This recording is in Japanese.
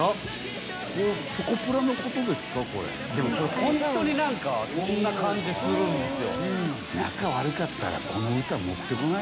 ホントに何かそんな感じするんですよ